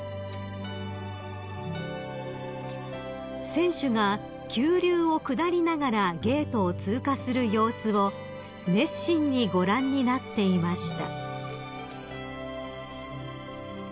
［選手が急流を下りながらゲートを通過する様子を熱心にご覧になっていました］